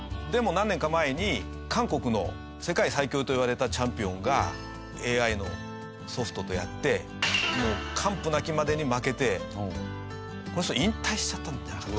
でも何年か前に韓国の世界最強といわれたチャンピオンがＡＩのソフトとやってもう完膚なきまでに負けてこの人引退しちゃったんじゃ。